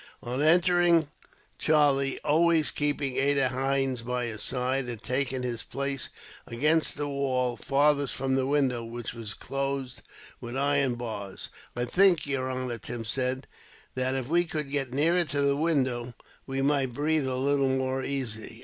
On entering Charlie, always keeping Ada Haines by his side, had taken his place against the wall farthest from the window, which was closed with iron bars. "I think, yer honor," Tim said, "that if we could get nearer to the window, we might breathe a little more easily."